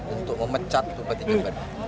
untuk memecat bupati jemberan